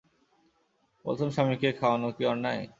প্রথমে স্বামীকে খাওয়ানো কি অন্যায়?